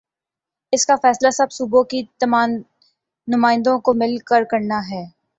اس کا فیصلہ سب صوبوں کے نمائندوں کو مل کر نا ہے۔